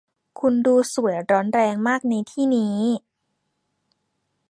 คุณดูสวยร้อนแรงมากในที่นี้